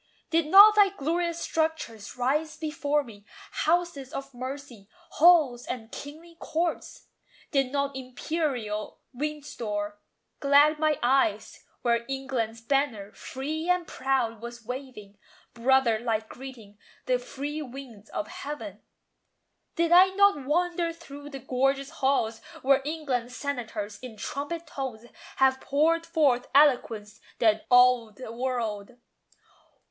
Did not thy glorious structures rise before me Houses of mercy, halls and kingly courts? Did not imperial Windsor glad my eyes, Where England's banner, free and proud, was waving; Brother like greeting the free winds of heaven? Did I not wander through the gorgeous halls Where England's senators, in trumpet tones, Have poured forth eloquence that awed the world?